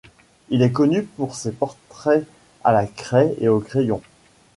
Il est connu pour ses portraits à la craie et aux crayons.